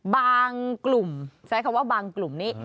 บางกลุ่มใช้คำว่าบางกลุ่มนี้